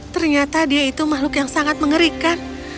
ternyata dia itu makhluk yang sangat mengerikan